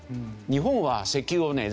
日本は石油をね